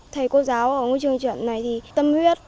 thầy cô giáo ở ngôi trường chuẩn này thì tâm huyết